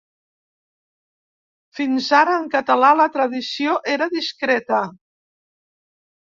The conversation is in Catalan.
Fins ara en català la tradició era discreta.